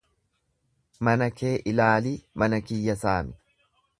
Mana kee laalii mana kiyya saami.